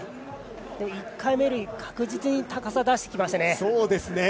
１回目より確実に高さ出してきましたね。